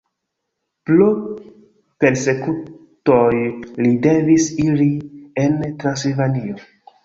Pro persekutoj li devis iri en Transilvanion.